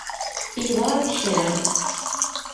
Yeḍṛa-d kra.